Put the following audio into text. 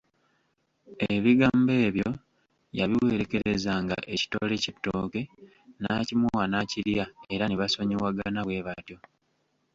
Ebigambo ebyo yabiwerekezanga ekitole ky’ettooke n’akimuwa n’akirya era ne basonyiwagana bwe batyo.